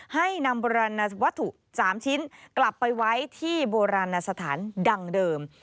ให้นำวัตถุ๓ชิ้นกลับไปไว้ที่โบราณสถานดังเดิม